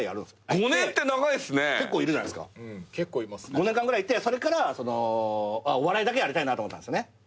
５年間ぐらいいてそれからお笑いだけやりたいなと思ったんすよね。